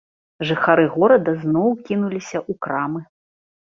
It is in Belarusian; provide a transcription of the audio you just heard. Жыхары горада зноў кінуліся ў крамы.